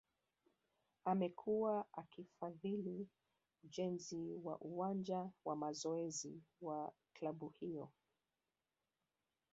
Amekuwa akifadhili ujenzi wa uwanja wa mazoezi wa klabu hiyo